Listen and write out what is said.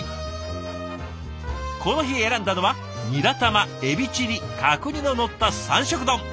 この日選んだのはニラ玉エビチリ角煮ののった三色丼。